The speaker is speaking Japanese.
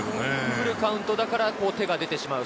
フルカウントだから手が出てしまう。